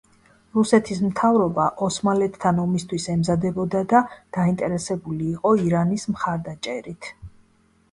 რუსეთის მთავრობა ოსმალეთთან ომისათვის ემზადებოდა და დაინტერესებული იყო ირანის მხარდაჭერით.